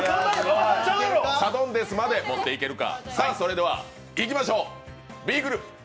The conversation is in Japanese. サドンデスまでもっていけるか。